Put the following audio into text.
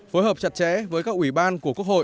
phối hợp chặt chẽ với các ủy ban của quốc hội